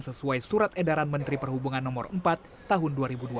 sesuai surat edaran menteri perhubungan no empat tahun dua ribu dua puluh